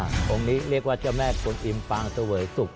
อ่าองค์นี้เรียกว่าเจ้าแม่กลุ่นอิมปางเจ้าเวยสุก